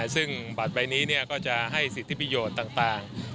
ซึ่งบัตรใบนี้ก็จะให้สิทธิประโยชน์ต่าง